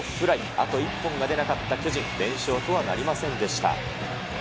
あと一本が出なかった巨人、連勝とはなりませんでした。